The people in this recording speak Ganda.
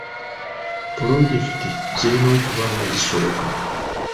Pulojekiti zirina okuba nga zisoboka.